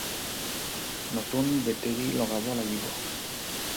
নতুন বেটাৰী লগাব লাগিব।